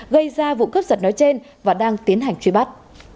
gây ra vụ cướp giật nói trên và đang tiến hành truy bắt